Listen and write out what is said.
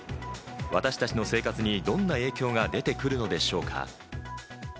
私たちの生活にどんな影響が出てくるのでしょうか？